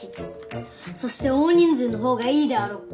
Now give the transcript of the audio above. そして大人数のほうがいいであろう。